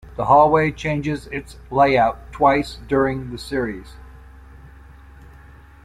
The hallway changes its layout twice during the series.